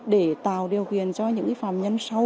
để tạo điều kiện cho những phạm nhân sâu